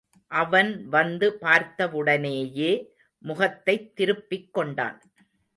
அவன் வந்து பார்த்தவுடனேயே முகத்தைத் திருப்பிக் கொண்டான்.